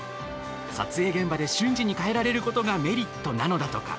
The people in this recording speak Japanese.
撮影現場で瞬時に変えられることがメリットなのだとか。